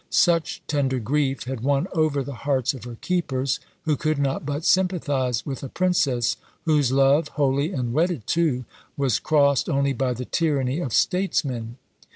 Such tender grief had won over the hearts of her keepers, who could not but sympathise with a princess whose love, holy and wedded too, was crossed only by the tyranny of statesmen.